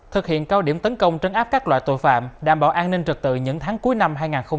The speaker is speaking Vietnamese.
thực hiện cao điểm tấn công trấn áp các loại tội phạm đảm bảo an ninh trật tự những tháng cuối năm hai nghìn hai mươi ba